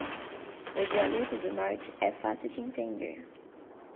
O dialeto do norte é fácil de entender.